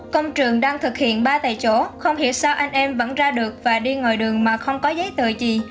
công trường đang thực hiện ba tại chỗ không hiểu sao anh em vẫn ra được và đi ngoài đường mà không có giấy tờ gì